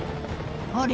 あれ？